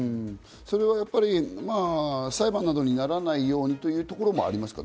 それはやっぱり裁判などにならないようにというところもありますか？